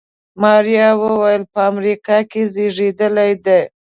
ماريا وويل په امريکا کې زېږېدلې ده.